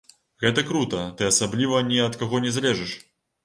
Гэта крута, ты асабліва ні ад каго не залежыш.